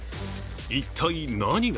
一体何が